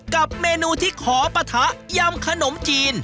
กับเมนูที่ขอปะทะยำขนมจีน